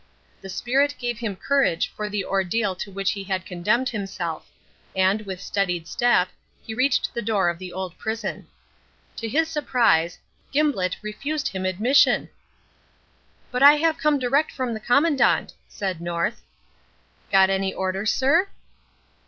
The spirit gave him courage for the ordeal to which he had condemned himself; and with steadied step, he reached the door of the old prison. To his surprise, Gimblett refused him admission! "But I have come direct from the Commandant," said North. "Got any order, sir?"